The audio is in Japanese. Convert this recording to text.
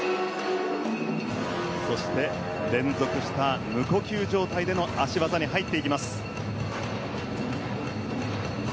そして連続した無呼吸状態での脚技に入っていきます。